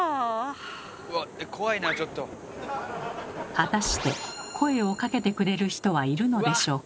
果たして声をかけてくれる人はいるのでしょうか？